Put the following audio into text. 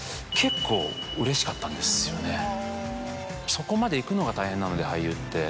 そこまでいくのが大変なので俳優って。